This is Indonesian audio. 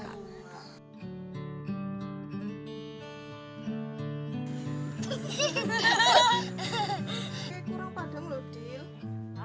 kurang padam loh dio